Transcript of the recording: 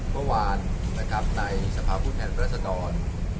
เมื่อวานในสภาพรุนแทนราศกร